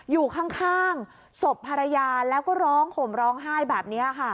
อยู่ข้างศพภรรยาแล้วก็ร้องห่มร้องไห้แบบนี้ค่ะ